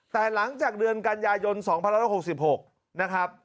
แต่หลังจากเดือนกันยายน๒๑๖๖นะครับ